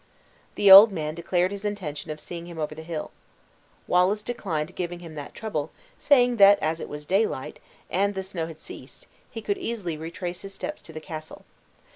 The old man declared his intention of seeing him over the hill. Wallace declined giving him that trouble, saying that as it was daylight, and the snow had ceased, he could easily retrace his steps to the castle.